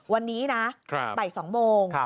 วันนี้นะใบ๒โมง